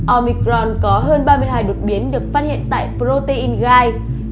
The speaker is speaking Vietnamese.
omicron có hơn ba mươi hai đột biến được phát hiện tại protein gai